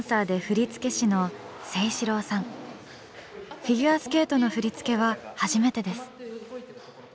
フィギュアスケートの振り付けは初めてです。